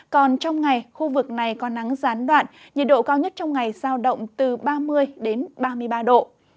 còn trong ngày khu vực này có nắng gián đoạn nhiệt độ cao nhất trong ngày giao động từ ba mươi ba mươi ba độ